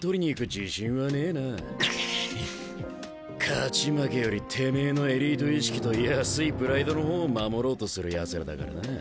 勝ち負けよりてめえのエリート意識と安いプライドの方を守ろうとするやつらだからなあ。